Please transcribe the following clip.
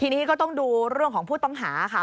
ทีนี้ก็ต้องดูเรื่องของผู้ต้องหาค่ะ